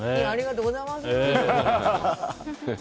ありがとうございます。